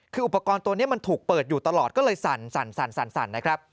คืออุปกรณ์ตัวนี้มันถูกเปิดอยู่ตลอดก็เลยสั่นนะครับ